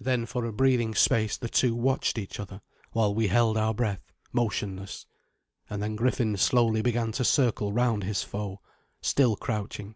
Then for a breathing space the two watched each other, while we held our breath, motionless. And then Griffin slowly began to circle round his foe, still crouching.